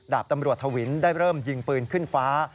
ดาบตำรวจทวินได้เริ่มยิงปืนขึ้นฟ้า